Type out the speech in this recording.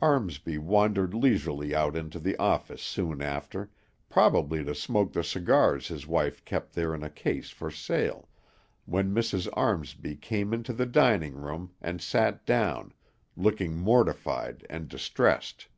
Armsby wandered leisurely out into the office soon after, probably to smoke the cigars his wife kept there in a case for sale, when Mrs. Armsby came into the dining room, and sat down, looking mortified and distressed.